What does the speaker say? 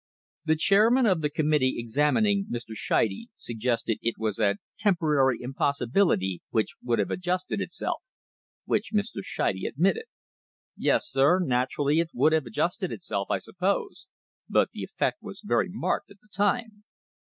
The chairman of the committee examining Mr. Scheide suggested it was a "temporary impossibility which would have adjusted itself," which Mr. Scheide admitted. " Yes, sir, naturally, it would have adjusted it self I suppose, but the effect was very marked at the time."